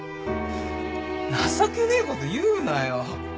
情けねえこと言うなよ。